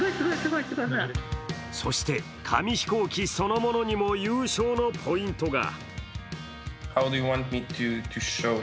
そして紙飛行機そのものにも優勝のポイントが。